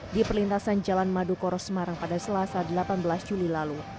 di perlintasan jalan madukoro semarang pada selasa delapan belas juli lalu